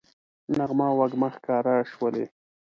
نغمه او وږمه ښکاره شولې